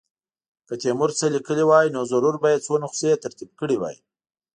که تیمور څه لیکلي وای نو ضرور به یې څو نسخې ترتیب کړې وای.